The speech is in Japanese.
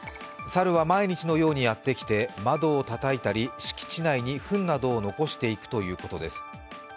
猿は毎日のようにやってきて、窓をたたいたり敷地内にふんなどを残していくということです。